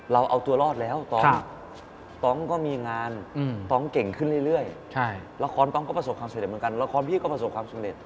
เราเอาตัวรอดแล้วต้องก็มีงานต้องเก่งขึ้นเรื่อยละครต้องก็ประสบความสำเร็จเหมือนกันละครพี่ก็ประสบความสำเร็จ